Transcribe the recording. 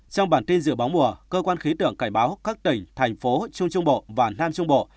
trong bản tin dự báo mùa cơ quan khí tượng cảnh báo các tỉnh thành phố trung trung bộ và nam trung bộ